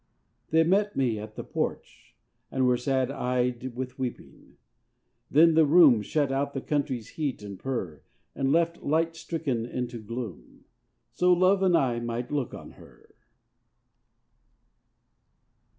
They met me at the porch, and were Sad eyed with weeping. Then the room Shut out the country's heat and purr, And left light stricken into gloom So love and I might look on her.